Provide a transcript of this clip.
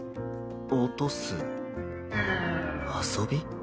落とす遊び？